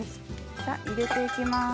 入れて行きます。